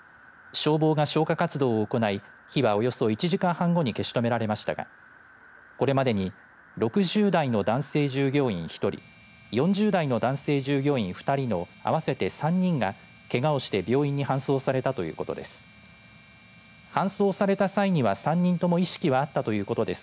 消防が消火活動を行い火はおよそ１時間半後に消し止められましたがこれまでに６０代の男性従業員１人４０代の男性従業員２人の合わせて３人がけがをして病院に搬送されたということです。